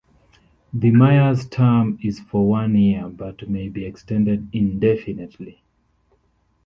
The Mayor's term is for one year, but may be extended indefinitely.